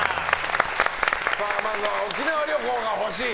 まずは沖縄旅行が欲しい